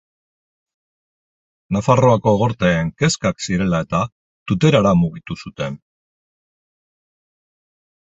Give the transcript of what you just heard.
Nafarroako Gorteen kezkak zirela eta, Tuterara mugitu zuten.